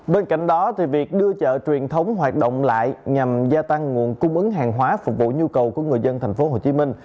bên cạnh đó việc đưa chợ truyền thống hoạt động lại nhằm gia tăng nguồn cung ứng hàng hóa phục vụ nhu cầu của người dân thành phố hồ chí minh